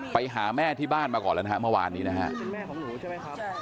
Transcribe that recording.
ไปหาแม่ที่บ้านมาก่อนแล้วนะฮะเมื่อวานนี้นะฮะ